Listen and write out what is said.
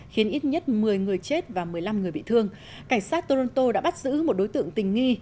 khiến ít nhất một mươi người chết và một mươi năm người bị thương cảnh sát toronto đã bắt giữ một đối tượng tình nghi